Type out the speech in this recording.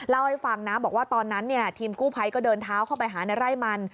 เล่าให้ฟังนะบอกว่าตอนนั้นทีมกู้ภัยก็เดินเท้าเข้าไปหาในไร่มัน